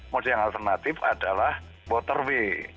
moda yang alternatif adalah motorway